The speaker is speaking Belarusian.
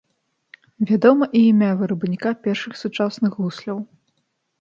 Вядома і імя вырабніка першых сучасных гусляў.